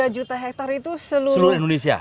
empat puluh tiga juta hektar itu seluruh indonesia